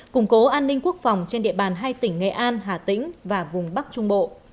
củng cố an ninh quốc phòng trên địa bàn hai tỉnh nghệ an hà tĩnh và vùng bắc trung bộ